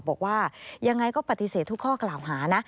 บอกว่ายังไงก็ปฏิเสธทุกข้อกล่าวหานะ